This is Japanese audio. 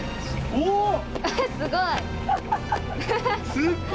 すっごい！